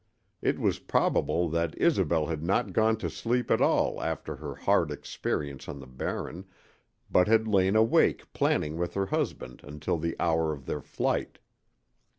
It was probable that Isobel had not gone to sleep at all after her hard experience on the Barren, but had lain awake planning with her husband until the hour of their flight.